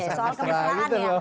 soal kemesraan ya